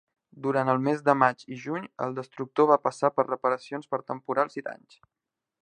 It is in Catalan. Durant el mes de maig i juny, el destructor va passar per reparacions per temporal i danys.